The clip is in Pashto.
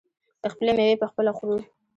خپلې میوې پخپله خورو.